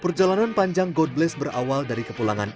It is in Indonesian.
perjalanan panjang god bless berawal dari kepulangan